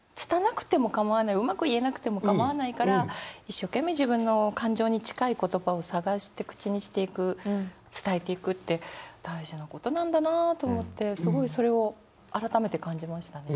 拙くても構わないうまく言えなくても構わないから一生懸命自分の感情に近い言葉を探して口にしていく伝えていくって大事なことなんだなあと思ってすごいそれを改めて感じましたね。